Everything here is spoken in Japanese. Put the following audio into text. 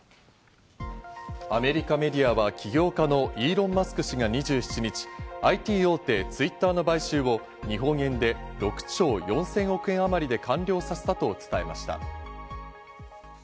アメリカメディアは起業家のイーロン・マスク氏が２７日、ＩＴ大手・Ｔｗｉｔｔｅｒの買収を日本円で６兆４０００億円あまりで完了させたと伝えました。